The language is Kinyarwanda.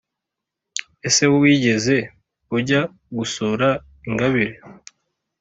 Ese wigeze ujya gusura ingabire?